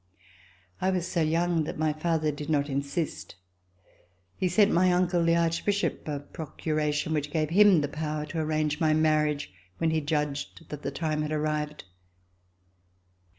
I was so young that my father did not insist. He sent my uncle, the Archbishop, a procura tion which gave him the power to arrange my mar riage when he judged that the time had arrived.